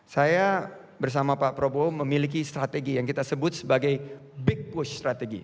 saya bersama pak prabowo memiliki strategi yang kita sebut sebagai big push strategy